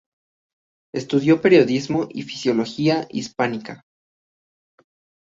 Estudió periodismo y filología hispánica.